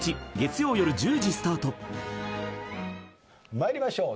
参りましょう。